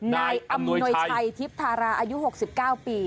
นายอำนวยชัยทิพธาราอายุหกสิบเก้าปี